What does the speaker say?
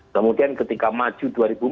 kemudian ketika maju dua ribu empat belas